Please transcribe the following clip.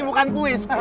ini bukan kuis